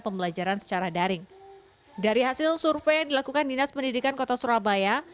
pembelajaran secara daring dari hasil survei yang dilakukan dinas pendidikan kota surabaya